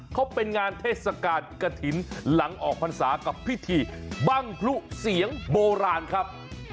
เขาเป็นงานเทศกาลกระถิ่นหลังออกพรรษากับพิธีบังพลุเสียงโบราณครับ